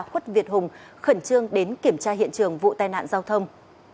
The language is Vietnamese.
khuất việt hùng khẩn trương đến kiểm tra hiện trường vụ tai nạn giao thông